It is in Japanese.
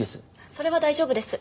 それは大丈夫です。